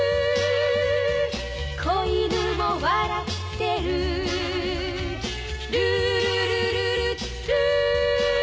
「小犬も笑ってる」「ルールルルルルー」